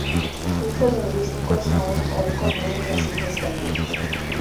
Su uso lingüístico es aún hoy común en las Islas Canarias.